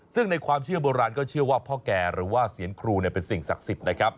ซึ่งในความเชื่อโบราณก็เชื่อว่าพ่อแก่หรือว่าเซียนครูเป็นสิ่งศักดิ์สิทธิ์นะครับ